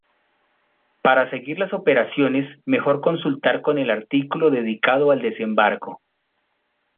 Para seguir las operaciones mejor consultar con el artículo dedicado al desembarco.